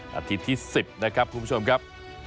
นาทีที่๑๐นะครับคุณผู้ชมครับ